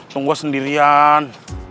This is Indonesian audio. tunggu gue sendirian